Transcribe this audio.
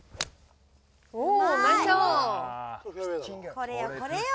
これよこれよ。